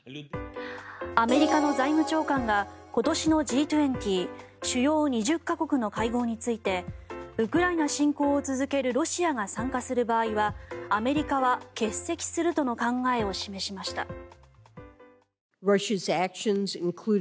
アメリカの財務長官が今年のＧ２０・主要２０か国の会合についてウクライナ侵攻を続けるロシアが参加する場合はアメリカは欠席するとの考えを示しました。